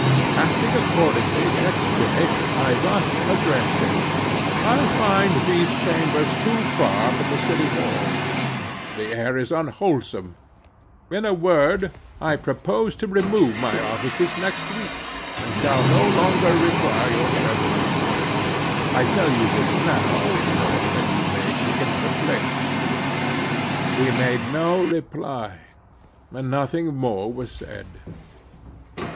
Acting accordingly, next day I thus addressed him: "I find these chambers too far from the City Hall; the air is unwholesome. In a word, I propose to remove my offices next week, and shall no longer require your services. I tell you this now, in order that you may seek another place." He made no reply, and nothing more was said.